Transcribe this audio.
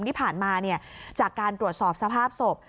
ที่ผ่านมาจากการตรวจสอบสภาพศพ